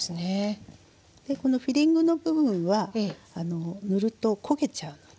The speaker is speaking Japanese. このフィリングの部分は塗ると焦げちゃうのでね